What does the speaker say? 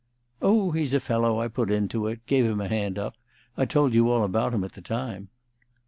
"Oh, he's a fellow I put into it gave him a hand up. I told you all about him at the time."